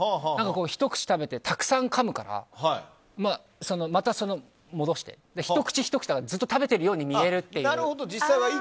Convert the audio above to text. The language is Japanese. ひと口食べて、たくさんかむからまた戻して、ひと口ひと口ずっと食べてるように見えるっていう。